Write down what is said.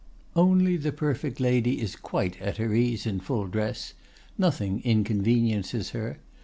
"Only the perfect lady is quite at her ease in full dress; nothing inconveniences her.